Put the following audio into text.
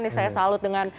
ini saya salut dengan